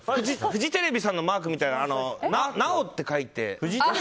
フジテレビのマークみたいな尚って書いて。